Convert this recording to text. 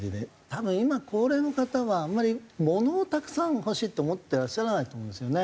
多分今高齢の方はあんまりものをたくさん欲しいと思ってらっしゃらないと思うんですよね。